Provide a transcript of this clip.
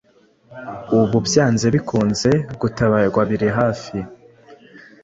ubu, byanze bikunze, gutabarwa biri hafi,